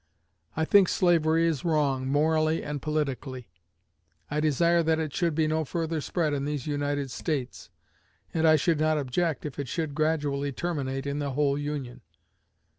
I think slavery is wrong, morally and politically. I desire that it should be no further spread in these United States, and I should not object if it should gradually terminate in the whole Union.